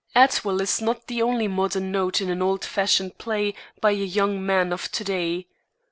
Atwill is not the only modern note in an old fashioned play by a young man of to day.